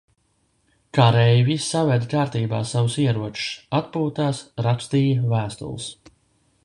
Kareivji saveda kārtībā savus ieročus, atpūtās, rakstīja vēstules.